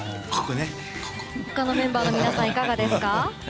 他のメンバーの皆さんはいかがですか？